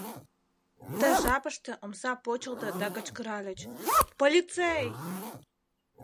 Ты жапыште омса почылто да кычкыральыч: «Полицей!»